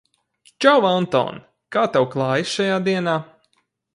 Čau, Anton! Kā tev klājas šajā dienā?